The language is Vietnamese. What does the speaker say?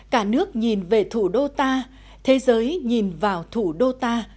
cả nước nhìn về thủ đô ta thế giới nhìn vào thủ đô ta